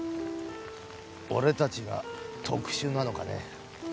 俺たちが特殊なのかね？